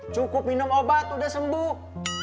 cukup minum obat udah sembuh